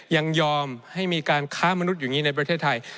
ยังยอมให้มีการค้ามนุษย์อย่างนี้ในประเทศไทย